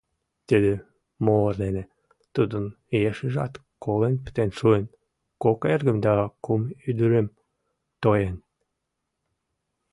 Тиде мор дене тудын ешыжат колен пытен шуын, кок эргым да кум ӱдырым тоен.